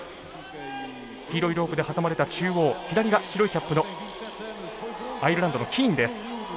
黄色いロープで挟まれた中央左が白いキャップアイルランドのキーンです。